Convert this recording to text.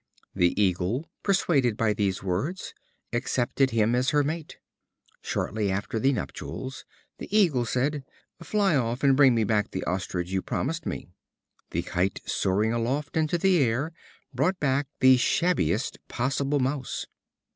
The Eagle, persuaded by these words, accepted him as her mate. Shortly after the nuptials, the Eagle said: "Fly off, and bring me back the ostrich you promised me." The Kite, soaring aloft into the air, brought back the shabbiest possible mouse.